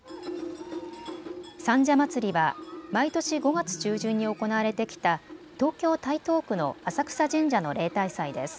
三社祭は毎年５月中旬に行われてきた東京台東区の浅草神社の例大祭です。